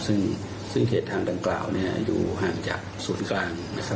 ซึ่งเขตทางดังกล่าวอยู่ห่างจากศูนย์กลางนะครับ